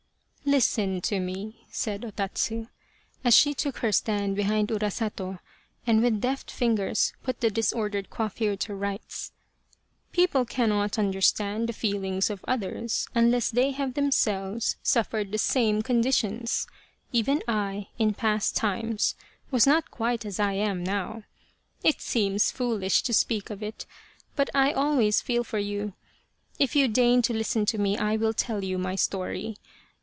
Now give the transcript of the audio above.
" Listen to me," said O Tatsu, as she took her stand behind Urasato and with deft fingers put the dis ordered coiffure to rights, " people cannot understand 142 Urasato, or the Crow of Dawn the feelings of others unless they have themselves suffered the same conditions. Even I, in past times, was not quite as I am now. It seems foolish to speak of it, but I always feel for you. If you deign to listen to me I will tell you my story.